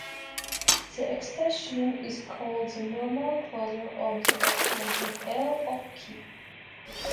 This extension is called the normal closure of the extension "L" of "K".